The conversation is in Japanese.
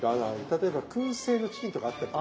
例えばくん製のチキンとかあったりとか。